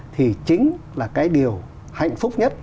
thì chính là cái điều hạnh phúc nhất